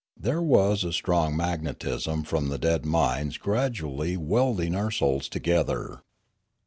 There was a strong mag netism from the dead minds gradually welding our souls together.